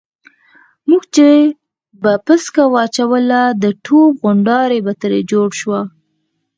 موږ چې به پسکه واچوله د توپ غونډاری به ترې جوړ شو.